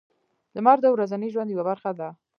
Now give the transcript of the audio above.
• لمر د ورځني ژوند یوه برخه ده.